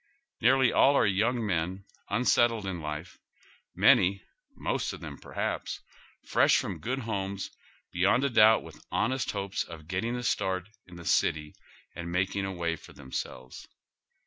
Nearly all are young men, unsettled in life, many — most of them, perhaps — fresh from good homes, beyond a doubt with honest hopes of getting a start in the city and making a way for themselves.